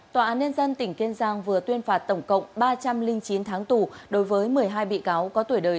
tòa án nên dân tỉnh kiên giang vừa tuyên phạt tổng cộng ba trăm linh chín tháng tù đối với một mươi hai bị cáo có tuổi đời